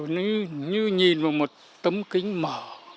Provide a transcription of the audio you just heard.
nó như nhìn vào một tấm kính mở